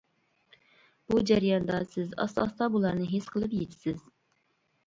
بۇ جەرياندا، سىز ئاستا-ئاستا بۇلارنى ھېس قىلىپ يېتىسىز.